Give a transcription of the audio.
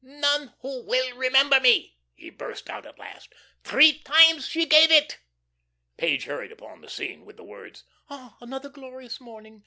"'None who will remember me,'" he burst out at last. "Three times she gave it." Page hurried upon the scene with the words: "'Ah, another glorious morning.